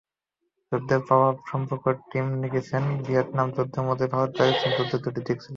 যুদ্ধের প্রভাব সম্পর্কে টিম লিখেছেন, ভিয়েতনাম যুদ্ধের মতোই ভারত-পাকিস্তান যুদ্ধেরও দুটি দিক ছিল।